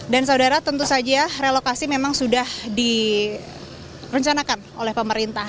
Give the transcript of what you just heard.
dan saudara tentu saja ya relokasi memang sudah direncanakan oleh pemerintah